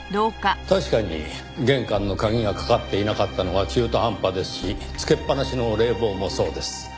確かに玄関の鍵がかかっていなかったのが中途半端ですしつけっぱなしの冷房もそうです。